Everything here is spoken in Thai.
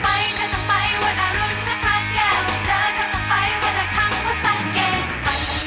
ไม่ใช่หน้าเท้ามันแต่ปากและตัวสิ่ง